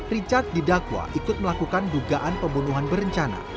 richard didakwa ikut melakukan dugaan pembunuhan berencana